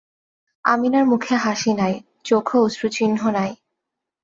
আমিনার মুখে হাসি নাই, চোখেও অশ্রুচিহ্ন নাই।